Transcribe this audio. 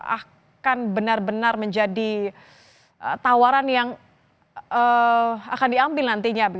akan benar benar menjadi tawaran yang akan diambil nantinya